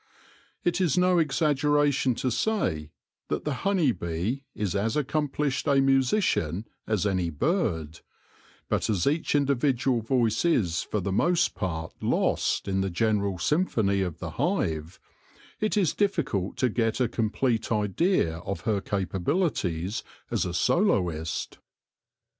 It is no exaggeration to say that the honey bee is as accomplished a musician as any bird ; but as each individual voice is for the most part lost in the general symphony of the hive, it is difficult to get a complete idea of her capabilities as a soloist.